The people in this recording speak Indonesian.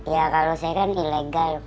ya kalau saya kan ilegal